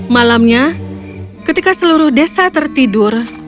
malamnya ketika seluruh desa tertidur